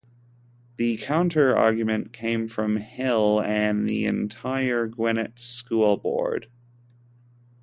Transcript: The counter argument came from Hill and the entire Gwinnett school board.